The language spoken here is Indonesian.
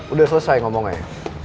udah selesai ngomongnya